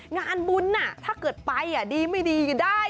งานบุญถ้าเกิดไปดีไม่ดีได้